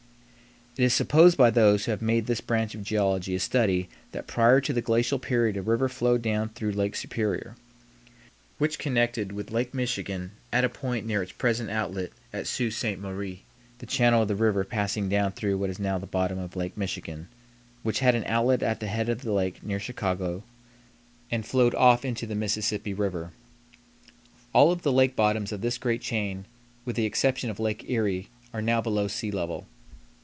It is supposed by those who have made this branch of geology a study that prior to the glacial period a river flowed down through Lake Superior, which connected with Lake Michigan at a point near its present outlet at Sault Ste. Marie, the channel of the river passing down through what is now the bottom of Lake Michigan, which had an outlet at the head of the lake near Chicago and flowed off into the Mississippi River. All of the lake bottoms of this great chain, with the exception of Lake Erie, are now below sea level.